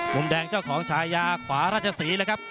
มุมแดงเจ้าของชายาขวาราชศรีเลยครับ